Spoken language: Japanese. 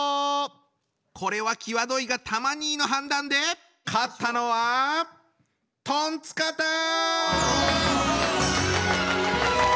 これは際どいがたま兄の判断で勝ったのはトンツカタン！